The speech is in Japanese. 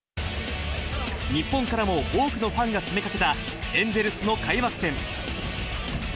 日本からも多くのファンが詰めかけたエンゼルスの開幕戦。